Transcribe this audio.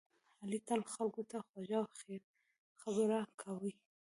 علی تل خلکو ته خوږه او خیر خبره کوي.